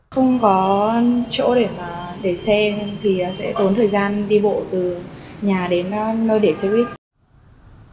không có chỗ để xe thì sẽ tốn thời gian đi bộ từ nhà đến nơi để xe buýt